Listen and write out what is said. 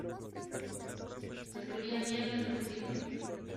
Escribía mierdas de ese tipo